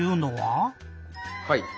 はい。